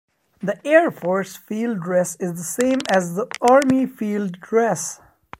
The Air Force field dress is the same as the army field dress.